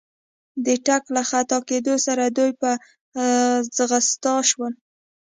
د ټک له خطا کېدو سره دوی په ځغستا شول.